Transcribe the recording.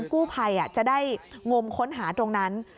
กู้ภัยจะได้งมค้นหาตรงนั้น